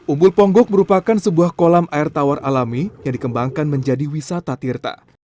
umbul ponggok merupakan sebuah kolam air tawar alami yang dikembangkan menjadi wisata tirta